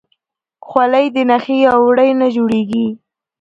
خولۍ د نخي یا وړۍ نه جوړیږي.